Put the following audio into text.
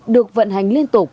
được vận hành liên tục